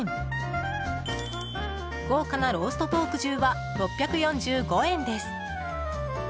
豪華なローストポーク重は６４５円です。